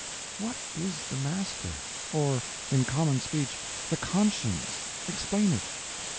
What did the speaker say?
What is the Master?—or, in common speech, the Conscience? Explain it.